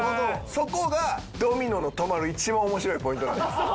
そこがドミノの止まる一番面白いポイントなんです。